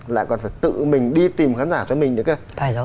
lại còn phải tự mình đi tìm khán giả cho mình nữa kìa